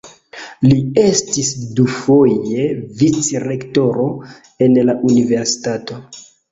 Li estis dufoje vicrektoro en la universitato.